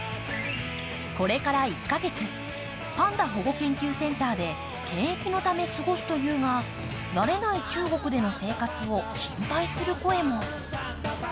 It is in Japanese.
これから１か月、パンダ保護研究センターで検疫のため過ごすというが慣れない中国での生活を心配する声も。